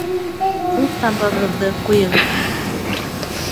Ҡултамғағыҙҙы ҡуйығыҙ